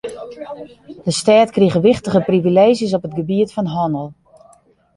De stêd krige wichtige privileezjes op it gebiet fan hannel.